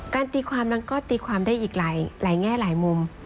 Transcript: ตีความนั้นก็ตีความได้อีกหลายแง่หลายมุม